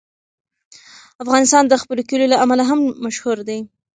افغانستان د خپلو کلیو له امله هم مشهور دی.